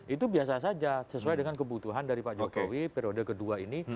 itu biasa saja sesuai dengan kebutuhan dari pak jokowi periode kedua ini